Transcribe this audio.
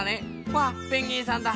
わっペンギンさんだ。